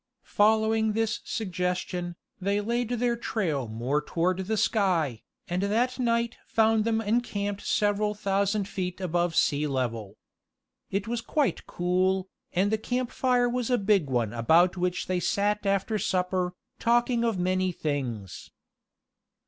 Following this suggestion, they laid their trail more toward the sky, and that night found them encamped several thousand feet above the sea level. It was quite cool, and the campfire was a big one about which they sat after supper, talking of many things.